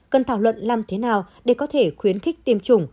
cần thảo luận làm thế nào để có thể khuyến khích tiêm chủng